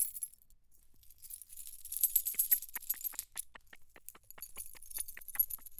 His aircraft crashed when the tip of the left wing touched the ground.